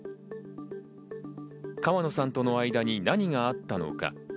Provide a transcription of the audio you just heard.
川野さんとの間に何があったのか。